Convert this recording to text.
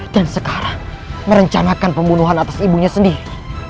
dan sekarang merencanakan pembunuhan atas ibunya sendiri